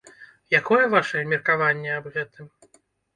Якое ваша меркаванне аб гэтым?